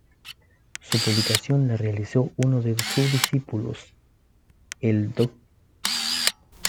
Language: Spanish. Su publicación la realizó uno de sus discípulos, el Dr.